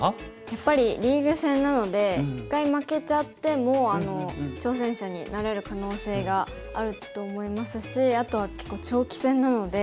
やっぱりリーグ戦なので一回負けちゃっても挑戦者になれる可能性があると思いますしあとは結構長期戦なので。